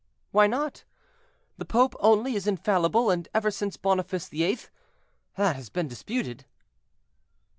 "Why not? The pope only is infallible, and ever since Boniface VIII. that has been disputed."